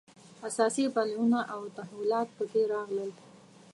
اساسي بدلونونه او تحولات په کې راغلل.